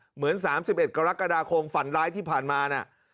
เหมือน๓๑กรกฎาคมฝันร้ายที่ผ่านมานะ